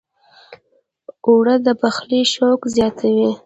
اوړه د پخلي شوق زیاتوي